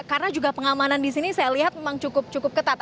karena juga pengamanan disini saya lihat memang cukup cukup ketat